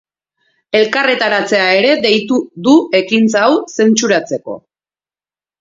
Elkarretaratzea ere deitu du ekintza hau zentsuratzeko.